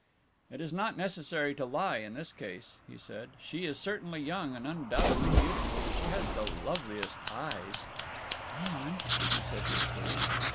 "It is not necessary to lie in this case," he said, "she is certainly young and undoubtedly beautiful. She has the loveliest eyes " "Go on," she said hastily.